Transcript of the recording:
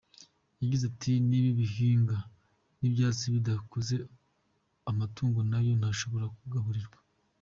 Yagize ati “Niba ibihingwa n’ibyatsi bidakuze, amatungo nayo ntashobora kugaburirwa.